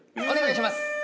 お願いします。